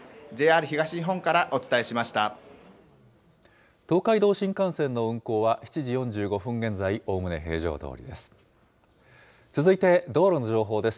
東海道新幹線の運行は、７時４５分現在、おおむね平常どおりです。